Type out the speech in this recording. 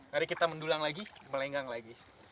mari kita mendulang lagi melenggang lagi